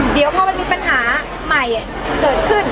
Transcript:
เดี๋ยวพอมันมีปัญหาใหม่เกิดขึ้น